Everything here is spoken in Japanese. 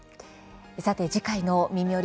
次回の「みみより！